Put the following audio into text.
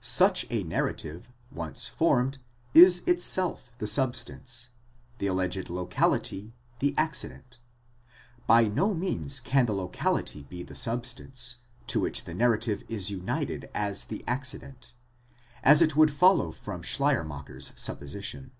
Such a narrative, once formed, is itself the substance, the alleged locality, the accident: by no means can the locality be the substance, to which the narrative is united as the accident, as it would follow from Schleier macher's supposition.